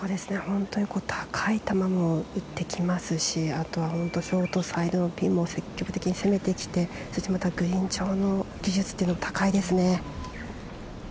高い球も打ってきますしショートサイドのピンも積極的に攻めてきてグリーン上の技術も高いです。